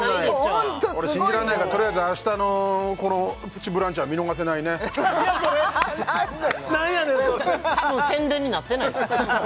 ホントホント俺信じらんないからとりあえずあしたのこの「プチブランチ」は見逃せないね何やそれ何やねんそれ宣伝になってないっす